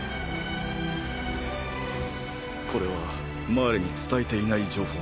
これはマーレに伝えていない情報なんだが。